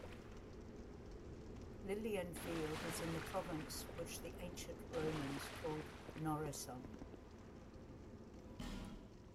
Lilienfeld is in the province which the Ancient Romans called Noricum.